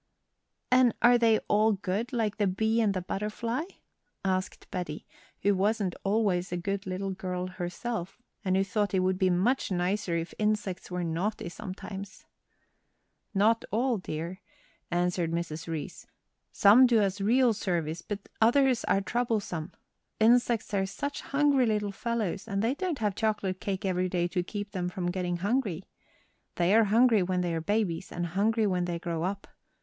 "And are they all good, like the bee and the butterfly?" asked Betty, who wasn't always a good little girl herself, and who thought it would be much nicer if insects were naughty sometimes. "Not all, dear," answered Mrs. Reece; "some do us real service, but others are troublesome; insects are such hungry little fellows, and they don't have chocolate cake every day to keep them from getting hungry. They are hungry when they are babies and hungry when they grow up.